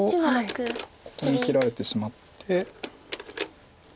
ここに切られてしまって。